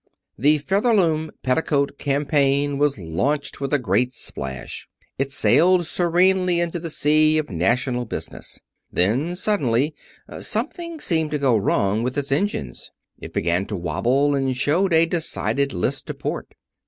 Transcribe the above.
The Featherloom petticoat campaign was launched with a great splash. It sailed serenely into the sea of national business. Then suddenly something seemed to go wrong with its engines. It began to wobble and showed a decided list to port.